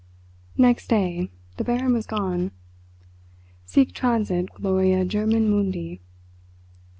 Next day the Baron was gone. Sic transit gloria German mundi.